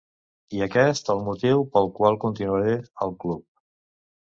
I aquest el motiu pel qual continuaré al club.